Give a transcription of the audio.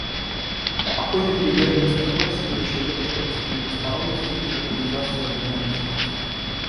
Покойный премьер-министр Томпсон горячо верил в принцип многосторонности и в Организацию Объединенных Наций.